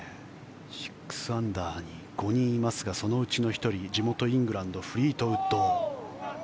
６アンダーに５人いますからそのうちの１人地元イングランドフリートウッド。